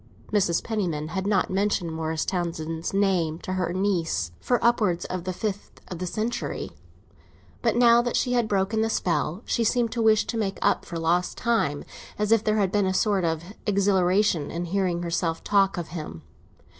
Mrs. Penniman had not mentioned Morris Townsend's name to her niece for upwards of the fifth of a century; but now that she had broken the spell, she seemed to wish to make up for lost time, as if there had been a sort of exhilaration in hearing herself talk of him.